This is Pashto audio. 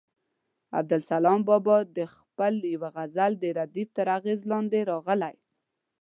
عبدالسلام بابا د خپل یوه غزل د ردیف تر اغېز لاندې راغلی.